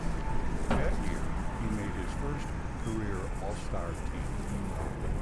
That year he made his first career All-Star team.